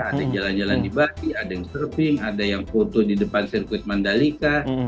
ada yang jalan jalan di bakti ada yang surfing ada yang foto di depan sirkuit mandalika